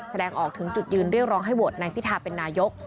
แสดงออกถึงจุดยืนเรียกร้องให้โหวตนายพิทาเป็นนายก